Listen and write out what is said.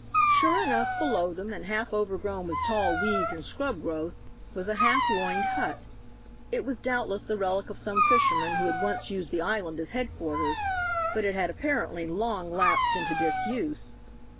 Sure enough, below them, and half overgrown with tall weeds and scrub growth, was a half ruined hut. It was doubtless the relic of some fisherman who had once used the island as headquarters. But it had, apparently, long lapsed into disuse.